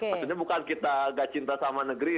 maksudnya bukan kita gak cinta sama negeri